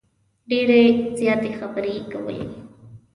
ډیرې زیاتې خبرې یې کولې.